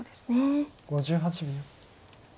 ５８秒。